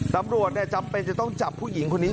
ตำรวจจำเป็นจะต้องจับผู้หญิงคนนี้